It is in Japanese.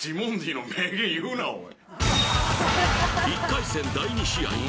１回戦第２試合